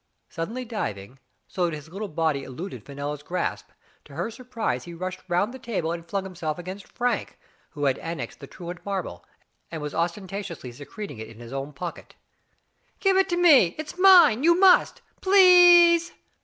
Suddenly diving, so that his little body eluded Fenella's grasp, to her surprise he rushed round the table and flung himself against Frank, who had annexed the truant marble, and was ostenta tiously secreting it in his own pocket. "Give it me! It's mine! You must! Please!"